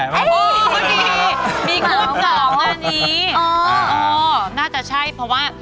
ว้าว